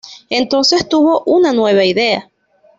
Entonces tuvo una nueva idea.